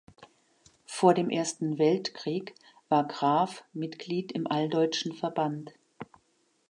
Vor dem Ersten Weltkrieg war Graf Mitglied im Alldeutschen Verband.